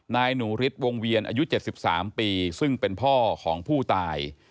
นายหนูฤทธิวงเวียนอายุ๗๓ปีซึ่งเป็นพ่อของผู้ตาย